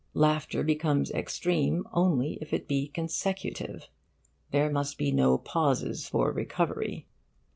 Laughter becomes extreme only if it be consecutive. There must be no pauses for recovery.